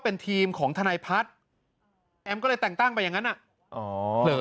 เป็นทีมของทนายพัฒน์แอมก็เลยแต่งตั้งไปอย่างนั้นอ่ะอ๋อเผลอ